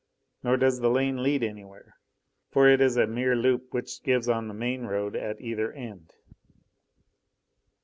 Nor does the lane lead anywhere, for it is a mere loop which gives on the main road at either end.